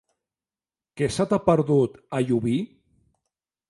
Què se t'hi ha perdut, a Llubí?